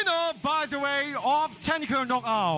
และต่อไปของเทนเกิร์นนอกอาว